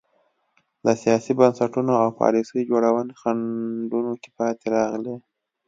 د سیاسي بنسټونو او پالیسۍ جوړونې خنډونو کې پاتې راغلي.